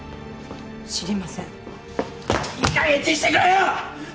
知りませんいい加減にしてくれよ！